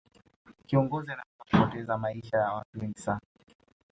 kiongozi anaweza kupoteza maisha ya watu wengi sana